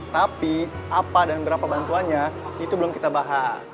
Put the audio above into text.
tapi apa dan berapa bantuannya itu belum kita bahas